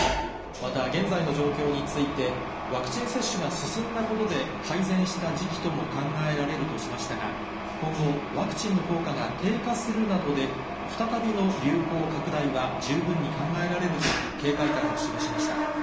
また、現在の状況について、ワクチン接種が進んだことで改善した時期とも考えられるとしましたが、今後、ワクチンの効果が低下するなどで、再びの流行拡大は十分に考えられると、警戒感を示しました。